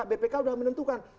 bpk udah menentukan